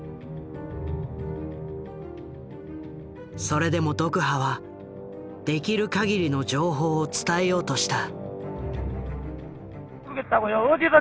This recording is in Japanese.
それでもドクハはできるかぎりの情報を伝えようとした。